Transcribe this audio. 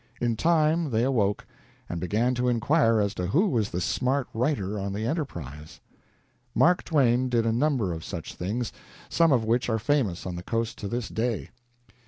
In time they awoke, and began to inquire as to who was the smart writer on the "Enterprise." Mark Twain did a number of such things, some of which are famous on the Coast to this day.